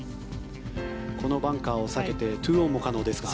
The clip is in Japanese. このバンカーを避けて２オンも可能ですか。